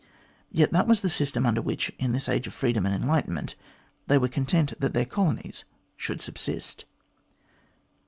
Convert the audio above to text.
Yet that was the system under which, in this age of freedom and enlightenment, they were content that their colonies should subsist.